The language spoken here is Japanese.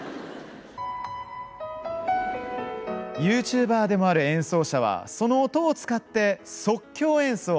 ＹｏｕＴｕｂｅｒでもある演奏者はその音を使って即興演奏。